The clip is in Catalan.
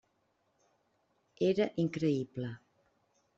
Era increïble.